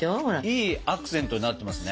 いいアクセントになってますね。